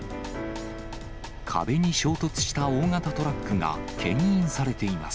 壁に衝突した大型トラックがけん引されています。